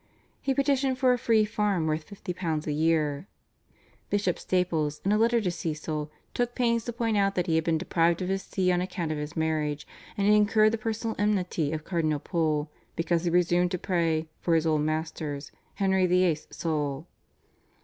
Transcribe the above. He petitioned for a free farm worth £50 a year. Bishop Staples, in a letter to Cecil, took pains to point out that he had been deprived of his See on account of his marriage, and had incurred the personal enmity of Cardinal Pole because he presumed to pray "for his old master's (Henry VIII.) soul."